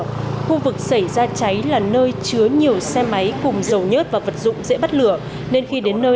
khu vực xảy ra cháy là nơi chứa nhiều xe máy cùng dầu nhớt và vật dụng dễ bắt lửa nên khi đến nơi